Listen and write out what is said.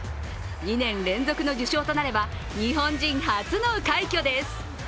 ２年連続の受賞となれば、日本人初の快挙です。